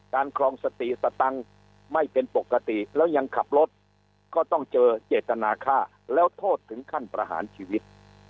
ครองสติสตังค์ไม่เป็นปกติแล้วยังขับรถก็ต้องเจอเจตนาค่าแล้วโทษถึงขั้นประหารชีวิต